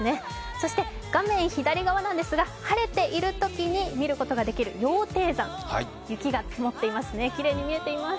そして、画面左側ですが、晴れているときに見ることができる羊蹄山雪が積もっていますね、きれいに見えています。